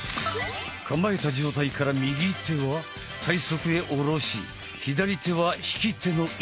構えた状態から右手は体側へ下ろし左手は引き手の位置へ。